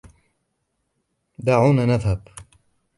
دعونا نذهب!